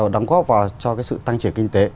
đóng góp vào sự tăng trưởng kinh tế